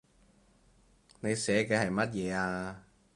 你寫嘅係乜嘢呀